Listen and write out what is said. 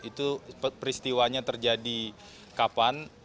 itu peristiwanya terjadi kapan